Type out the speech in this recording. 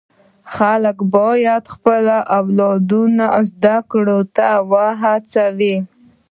خلک باید خپل اولادونه و زده کړو ته و هڅوي.